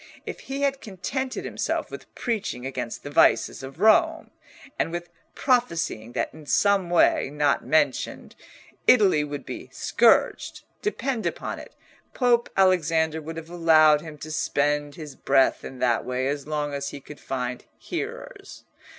If he had contented himself with preaching against the vices of Rome, and with prophesying that in some way, not mentioned, Italy would be scourged, depend upon it Pope Alexander would have allowed him to spend his breath in that way as long as he could find hearers.